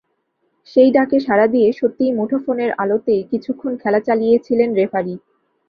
সেই ডাকে সাড়া দিয়ে সত্যিই মুঠোফোনের আলোতেই কিছুক্ষণ খেলা চালিয়েছিলেন রেফারি।